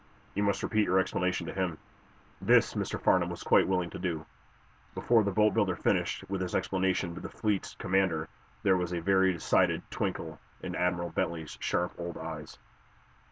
You must repeat your explanation to him." This Mr. Farnum was quite willing to do. Before the boatbuilder finished with his explanation to the fleet's commander there was a very decided twinkle in Admiral Bentley's sharp old eyes.